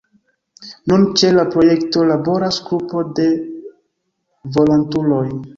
Nun ĉe la projekto laboras grupo de volontuloj.